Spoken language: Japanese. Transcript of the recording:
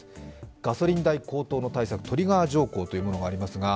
ガソリン代高騰の対策、トリガー条項というものがあります。